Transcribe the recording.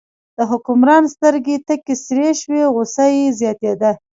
د حکمران سترګې تکې سرې شوې، غوسه یې زیاتېده.